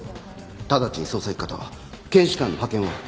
直ちに捜査一課と検視官の派遣を。